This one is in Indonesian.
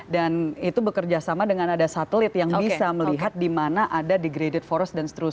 dan itu bekerja sama dengan ada satelit yang bisa melihat di mana ada degraded forest dan seterusnya